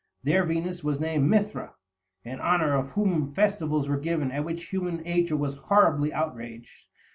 Their Venus was named Mithra, in honor of whom festivals were given at which human nature was horribly outraged.